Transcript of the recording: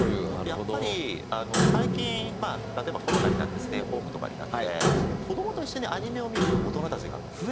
やっぱり最近例えばコロナになってステイホームとかになって子どもと一緒にアニメを見る大人たちが増えたみたいで。